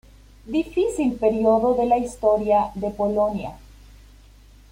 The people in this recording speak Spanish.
Difícil periodo de la historia de Polonia.